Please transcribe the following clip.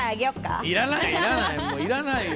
いらないよ